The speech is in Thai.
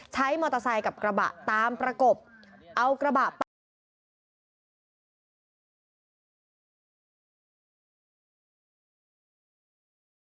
ใช้มอเตอร์ไซค์กับกระบะตามประกบเอากระบะไป